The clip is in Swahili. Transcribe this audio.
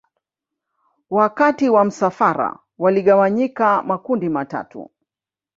Wakati wa msafara waligawanyika makundi matatu